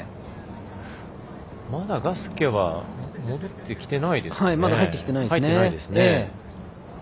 まだガスケは戻ってきてないですね。